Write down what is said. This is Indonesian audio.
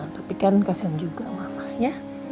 tapi kan kasihan juga mama ya